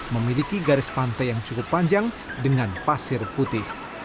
memiliki garis pantai yang cukup panjang dengan pasir putih